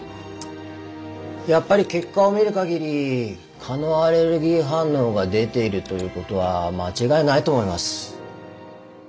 やっぱり結果を見る限り蚊のアレルギー反応が出ているということは間違いないと思います。